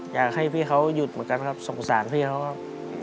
อยากให้พี่เขาหยุดเหมือนกันครับสงสารพี่เขาครับ